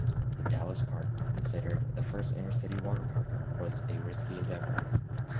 The Dallas park, considered "the first inner-city waterpark", was a risky endeavor.